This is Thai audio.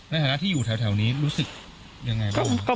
ในฐานะที่อยู่แถวนี้รู้สึกยังไงบ้างครับ